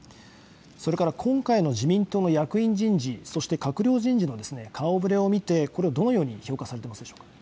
それから今回の自民党の役員人事、そして閣僚人事の顔ぶれを見て、これをどのように評価されてますでしょうか。